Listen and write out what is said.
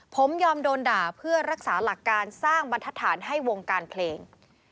ผมยอมโดนด่าเพื่อรักษาหลักการสร้างบรรทฐานให้วงการเพลง